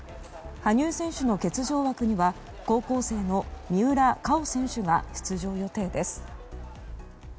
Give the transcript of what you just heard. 羽生選手の欠場枠には高校生の三浦佳生選手が出場予定です。